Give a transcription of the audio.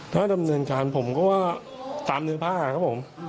ถ้าดำเนินการผมก็ว่าตามเนื้อผ้าครับผม